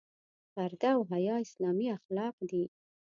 پرده او حیا اسلامي اخلاق دي.